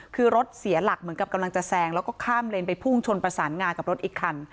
คือรถเสียหลักเหมือนกับกำลังจะแซงแล้วก็ข้ามเลนไปพุ่งชนประสานงากับรถอีกคัน